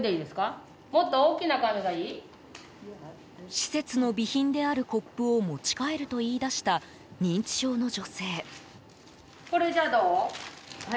施設の備品であるコップを持ち帰ると言い出した認知症の女性。